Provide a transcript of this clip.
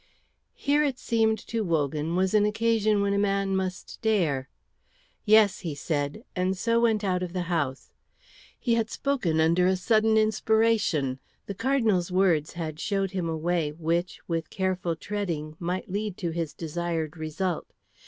Here it seemed to Wogan was an occasion when a man must dare. "Yes," he said, and so went out of the house. He had spoken under a sudden inspiration; the Cardinal's words had shown him a way which with careful treading might lead to his desired result.